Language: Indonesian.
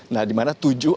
nah dimana tujuh